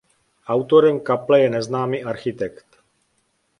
Autorem kaple je neznámý architekt.